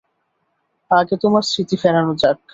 আগে তোমার স্মৃতি ফেরানো যাক।